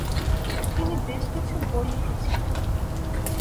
তিনি বেশ কিছু বই লিখেছিলেন।